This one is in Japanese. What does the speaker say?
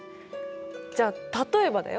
じゃあ例えばだよ